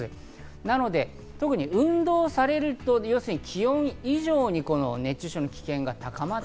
なので特に運動をされると気温以上に熱中症の危険が高まる。